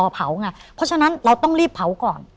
เพราะฉะนั้นเราต้องรีบเผาก่อน